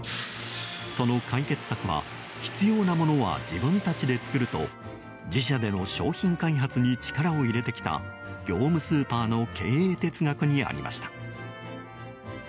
その解決策は必要なものは自分たちで作ると自社での商品開発に力を入れてきた業務スーパーの経営哲学にありました。